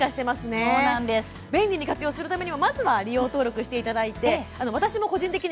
便利に活用するためにもまずは利用登録していただきたいですね。